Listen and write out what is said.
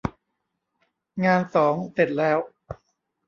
งานสองเสร็จแล้ว